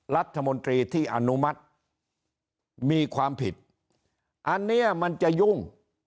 รัฐมนตรีที่อนุมัติมีความผิดอันเนี้ยมันจะยุ่ง